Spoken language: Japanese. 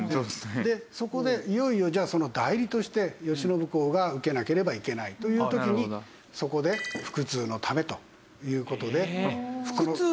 そこでいよいよじゃあその代理として慶喜公が受けなければいけないという時にそこで「腹痛のため」という事で。